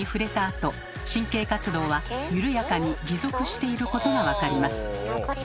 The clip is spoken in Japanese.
あと神経活動は緩やかに持続していることが分かります。